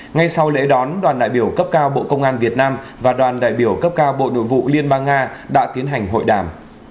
ngay sau lễ đón đoàn đại biểu cấp cao bộ công an việt nam và đoàn đại biểu cấp cao bộ nội vụ liên bang nga đã tiến hành hội đàm